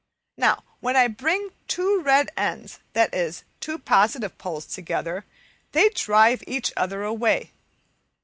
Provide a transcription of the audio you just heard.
Now when I bring two red ends, that is, two positive poles together, they drive each other away.